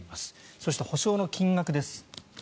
そして、補償の金額です。